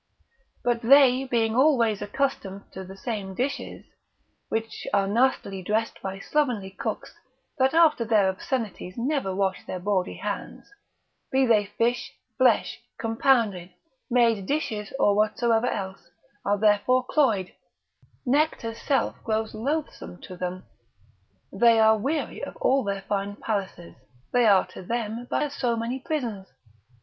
But they being always accustomed to the samedishes, (which are nastily dressed by slovenly cooks, that after their obscenities never wash their bawdy hands) be they fish, flesh, compounded, made dishes, or whatsoever else, are therefore cloyed; nectar's self grows loathsome to them, they are weary of all their fine palaces, they are to them but as so many prisons.